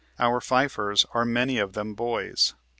Our filers are many of them boys.